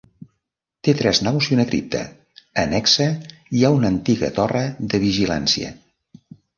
Té tres naus i una cripta; annexa hi ha una antiga torre de vigilància.